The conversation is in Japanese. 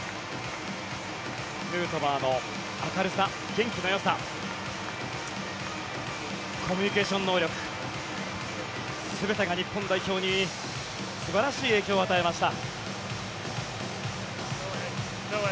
ヌートバーの明るさ元気のよさコミュニケーション能力全てが日本代表に素晴らしい影響を与えました。